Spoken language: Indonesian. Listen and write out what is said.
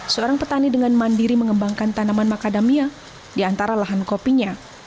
seorang petani dengan mandiri mengembangkan tanaman macadamia di antara lahan kopinya